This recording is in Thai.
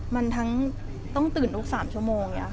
มันต้องตื่นทุกสามชั่วโมง